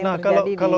nah kalau info yang itu